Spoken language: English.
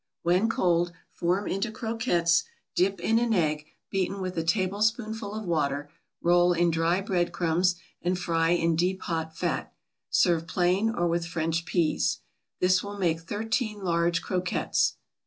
When cold, form into croquettes, dip in an egg, beaten with a tablespoonful of water, roll in dry bread crumbs, and fry in deep hot fat. Serve plain, or with French peas. This will make thirteen large croquettes.